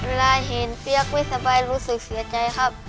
เวลาเห็นเปี๊ยกไม่สบายรู้สึกเสียใจครับ